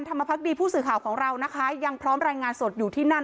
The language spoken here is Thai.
พักดีผู้สื่อข่าวของเรานะคะยังพร้อมรายงานสดอยู่ที่นั่น